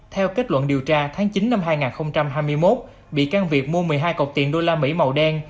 theo kết luận điều tra tháng chín năm hai nghìn hai mươi một bị căn việc mua một mươi hai cọc tiền usd màu đen